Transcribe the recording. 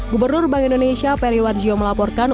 gubernur bank indonesia periwar jio melaporkan